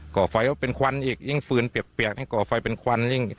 ่อไฟว่าเป็นควันอีกยิ่งฟืนเปียกให้ก่อไฟเป็นควันยิ่ง